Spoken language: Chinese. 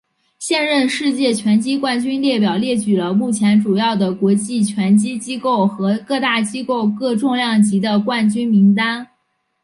现任世界拳击冠军列表列举了目前主要的国际拳击机构和各大机构各重量级的冠军名单。